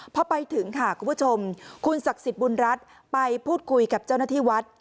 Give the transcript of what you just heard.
พอไปถึงค่ะคุณผู้ชมคุณศักดิ์สิทธิ์บุญรัฐไปพูดคุยกับเจ้าหน้าที่วัด